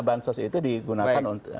bantuan sosial itu digunakan untuk